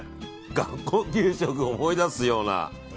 学校給食を思い出すような。